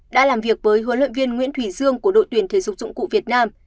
đã làm việc với huấn luyện viên nguyễn thủy dương của đội tuyển thể dục dụng cụ việt nam